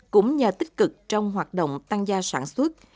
cũng nhờ tích cực trong hoạt động tăng gia sản xuất